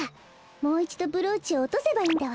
もういちどブローチをおとせばいいんだわ。